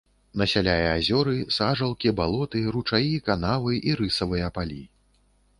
Насяляе азёры, сажалкі, балоты, ручаі, канавы і рысавыя палі.